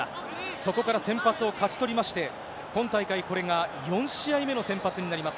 そこから先発を勝ち取りまして、今大会、これが４試合目の先発になります。